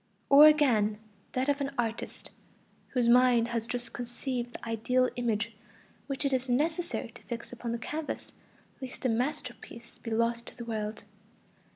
Or again, that of an artist, whose mind has just conceived the ideal image which it is necessary to fix upon the canvas lest a masterpiece be lost to the world.